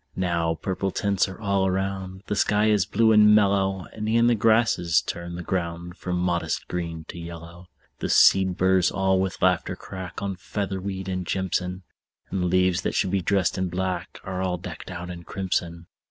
Now purple tints are all around; The sky is blue and mellow; And e'en the grasses turn the ground From modest green to yellow. The seed burrs all with laughter crack On featherweed and jimson; And leaves that should be dressed in black Are all decked out in crimson.